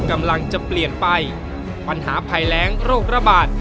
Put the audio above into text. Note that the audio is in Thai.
กำลังจะเปลี่ยนไปปัญหาภัยแรงโรคระบาด